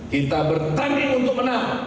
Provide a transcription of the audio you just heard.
kita bertanding untuk menang